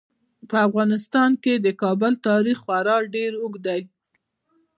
په افغانستان کې د کابل تاریخ خورا ډیر اوږد دی.